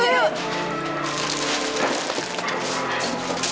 yuk yuk yuk